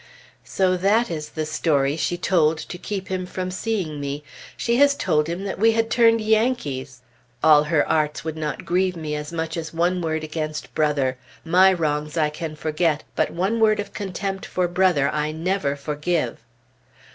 So that is the story she told to keep him from seeing me. She has told him that we had turned Yankees! All her arts would not grieve me as much as one word against Brother. My wrongs I can forget; but one word of contempt for Brother I never forgive!